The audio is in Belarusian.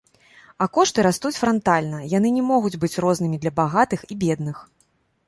А кошты растуць франтальна, яны не могуць быць рознымі для багатых і бедных.